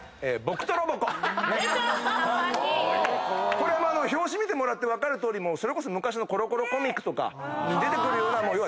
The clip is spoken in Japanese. これ表紙見てもらって分かるとおりそれこそ昔の『コロコロコミック』とか出てくるような要は『ドラえもん』ですよね。